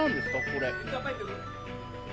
これ。